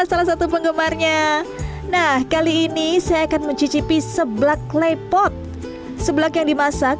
salah satu penggemarnya nah kali ini saya akan mencicipi seblak klepot seblak yang dimasak